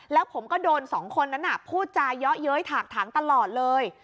แล้วผมก็โดนสองคนนั้นพูดจาเยาะเย้ยถากถังตลอดเลย